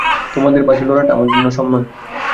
তোমাদের পাশে লড়াটা আমার জন্য সম্মানের।